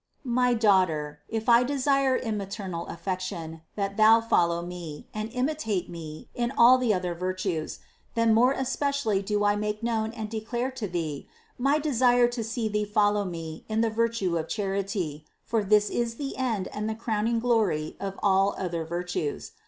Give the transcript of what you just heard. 529. My daughter, if I desire in maternal affection, that thou follow me and imitate me in all the other vir tues, then more especially do I make known and declare to thee my desire to see thee follow me in the virtue of charity, for this is the end and the crowning glory of all other virtues.